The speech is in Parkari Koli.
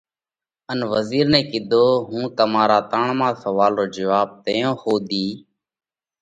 ان وزِير نئہ ڪِيڌو: هُون تمارا ترڻما سوئال رو جواٻ تئيون ۿُوڌِي